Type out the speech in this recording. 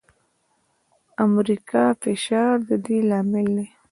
د امریکا فشار د دې لامل دی.